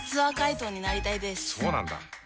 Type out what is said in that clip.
そうなんだ。